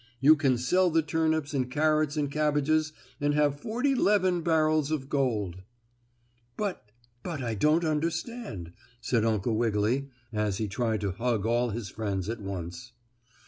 You can sell the turnips and carrots and cabbages and have forty 'leven barrels of gold." "But but I don't understand," said Uncle Wiggily, as he tried to hug all his friends at once.